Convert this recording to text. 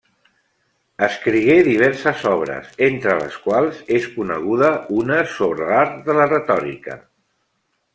Escrigué diverses obres, entre les quals és coneguda una sobre l'art de la retòrica.